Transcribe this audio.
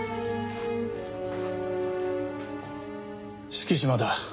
敷島だ。